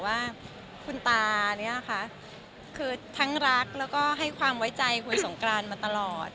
ว่าคุณตาเนี่ยนะคะคือทั้งรักแล้วก็ให้ความไว้ใจคุณสงกรานมาตลอด